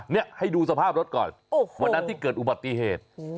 นี่ให้ดูสภาพรถก่อนวันนั้นที่เกิดอุบัติเหตุ